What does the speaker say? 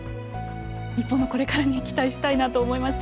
日本のこれからに期待したいなと思いました。